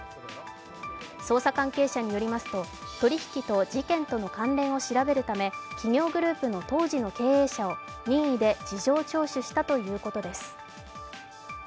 捜査関係者によりますと取り引きと事件との関連を調べるため企業グループの当時の経営者を任意で事情聴取したということです。